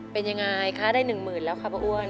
เป็นยังไงคะได้หนึ่งหมื่นแล้วค่ะอ้วน